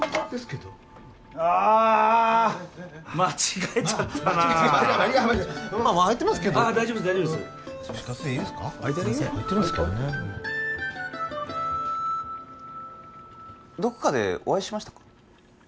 どこかでお会いしましたか？